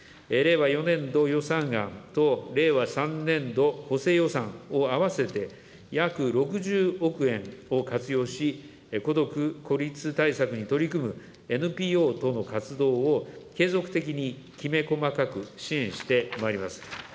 令和４年度予算案と令和３年度補正予算を合わせて、約６０億円を活用し、孤独孤立対策に取り組むＮＰＯ等の活動を継続的にきめ細かく支援してまいります。